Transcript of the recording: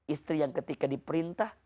istri yang ketika diperintah